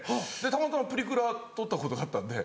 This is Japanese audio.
たまたまプリクラ撮ったことがあったんで。